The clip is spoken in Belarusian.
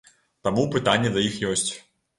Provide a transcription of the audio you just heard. Таму пытанні да іх ёсць.